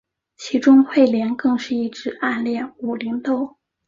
其中彗莲更是一直暗恋武零斗。